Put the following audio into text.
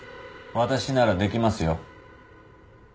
私ならできますよ。